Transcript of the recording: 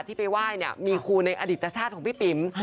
ที่ไปไหว้เนี่ยมีครูในอดิตชาติของพี่ปิ๋ม